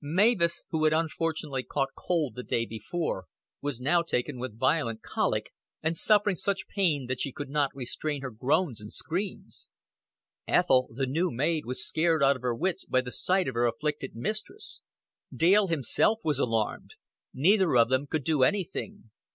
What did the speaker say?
Mavis, who had unfortunately caught cold the day before, was now taken with violent colic, and suffering such pain that she could not restrain her groans and screams. Ethel, the new maid, was scared out of her wits by the sight of her afflicted mistress; Dale himself was alarmed; neither of them could do anything.